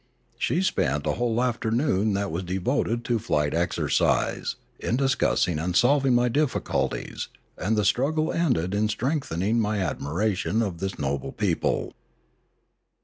She spent a whole afternoon that was de voted to flight exercise, in discussing and solving my difficulties, and the struggle ended in strengthening my admiration for this noble people.